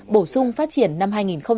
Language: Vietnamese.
bổ sung phát triển năm hai nghìn một mươi năm